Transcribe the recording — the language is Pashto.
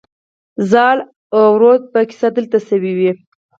زال او رودابه کیسه دلته شوې